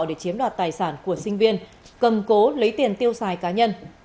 để chiếm đoạt tài sản của sinh viên cầm cố lấy tiền tiêu xài cá nhân